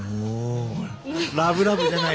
ラブラブじゃないですか！